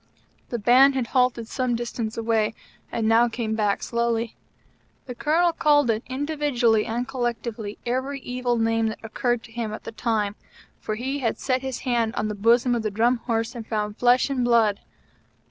The Band had halted some distance away, and now came back slowly. The Colonel called it, individually and collectively, every evil name that occurred to him at the time; for he had set his hand on the bosom of the Drum Horse and found flesh and blood.